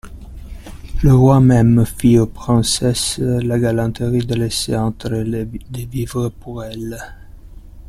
Le roi même fit aux princesses la galanterie de laisser entrer des vivres pour elles.